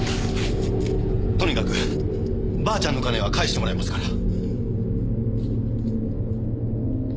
とにかくばあちゃんの金は返してもらいますから。